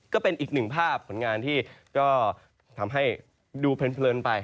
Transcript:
ก็เป็นอีกหนึ่งภาพผลงานที่ก็ทำให้ดูเพลินไป